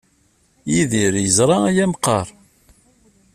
Yidir yeẓra aya meqqar?